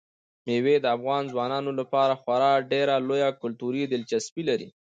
مېوې د افغان ځوانانو لپاره خورا ډېره لویه کلتوري دلچسپي لري.